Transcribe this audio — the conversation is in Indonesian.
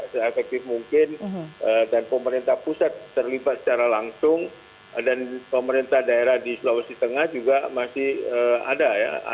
se efektif mungkin dan pemerintah pusat terlibat secara langsung dan pemerintah daerah di sulawesi tengah juga masih ada ya